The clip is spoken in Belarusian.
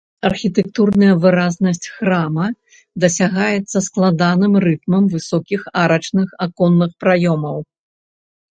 Архітэктурная выразнасць храма дасягаецца складаным рытмам высокіх арачных аконных праёмаў.